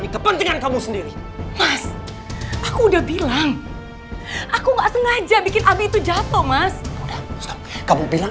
kepentingan kamu sendiri mas aku udah bilang aku enggak sengaja bikin abi itu jatuh mas kamu bilang